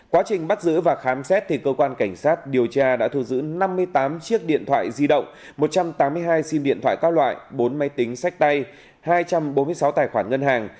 quá trình bắt giữ và khám xét thì cơ quan cảnh sát điều tra đã thu giữ năm mươi tám chiếc điện thoại di động một trăm tám mươi hai sim điện thoại các loại bốn máy tính sách tay hai trăm bốn mươi sáu tài khoản ngân hàng